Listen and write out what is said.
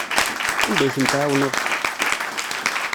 Anda ay ten-tɛawneḍ?